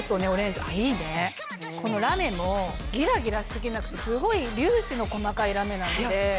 このラメもギラギラし過ぎなくてすごい粒子の細かいラメなので。